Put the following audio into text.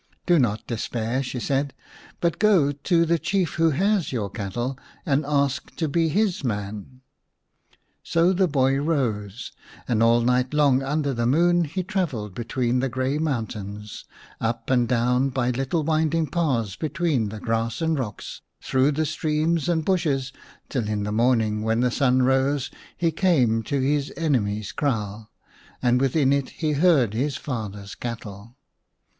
" Do not despair," she said, " but go to the Chief who has your cattle and ask to be his man." So the boy rose, and all night long under the moon he travelled between the grey mountains, up and down by little winding paths between 21 The King's Son n the grass and rocks, through the streams and bushes, till in the morning, when the sun rose, he came to his enemy's kraal, and within it he heard his father's cattle.